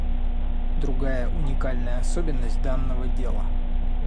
Другая уникальная особенность данного дела.